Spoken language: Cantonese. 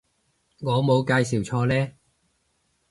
我冇介紹錯呢